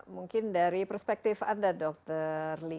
mungkin dari perspektif anda dr li